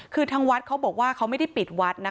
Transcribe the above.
คือทางวัดเขาบอกว่าเขาไม่ได้ปิดวัดนะคะ